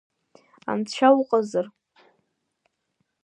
Анцәа уҟазар!